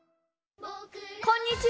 こんにちは。